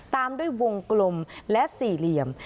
ตามด้วยวงกลมและสี่เหลี่ยม